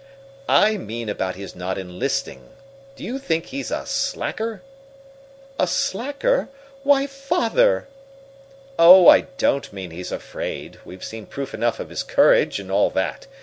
"I mean about his not enlisting. Do you think he's a slacker?" "A slacker? Why, Father!" "Oh, I don't mean he's afraid. We've seen proof enough of his courage, and all that.